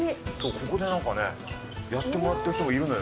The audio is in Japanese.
ここでなんかねやってもらってる人もいるのよね。